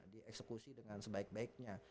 dieksekusi dengan sebaik baiknya